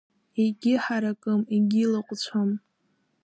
Егьыҳаракым егьылаҟәцәам.